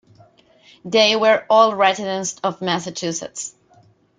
They were all residents of Massachusetts.